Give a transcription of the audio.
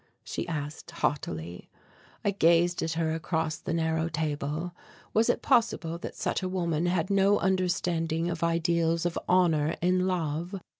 she asked haughtily. I gazed at her across the narrow table. Was it possible that such a woman had no understanding of ideals of honour in love?